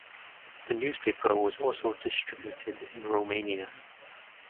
The newspaper was also distributed in Romania.